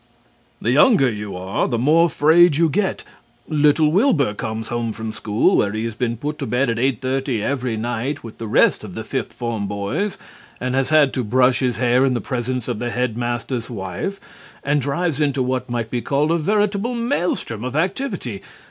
The younger you are the more frayed you get. Little Wilbur comes home from school, where he has been put to bed at 8:30 every night with the rest of the fifth form boys: and has had to brush his hair in the presence of the head master's wife, and dives into what might be called a veritable maelstrom of activity.